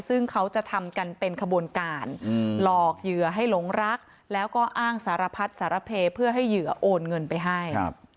ซึ่งเขาจะทำกันเป็นขบวนการหลอกเหยื่อให้หลงรักแล้วก็อ้างสารพัดสารเพเพื่อให้เหยื่อโอนเงินไปให้